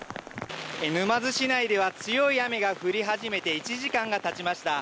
沼津市内では強い雨が降り始めて１時間がたちました。